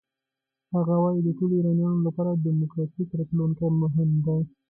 هغه وايي د ټولو ایرانیانو لپاره دموکراتیک راتلونکی مهم دی.